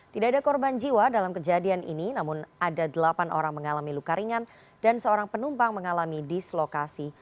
tidak ada korban jiwa dalam kejadian ini namun ada delapan orang mengalami luka ringan dan seorang penumpang mengalami dislokasi